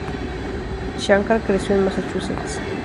Shankar creció en Massachusetts.